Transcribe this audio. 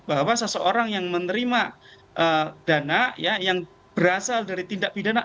bahwa seseorang yang menerima dana yang berasal dari tindak pidana